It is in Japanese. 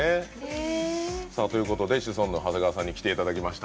シソンヌ・長谷川さんに来ていただきました。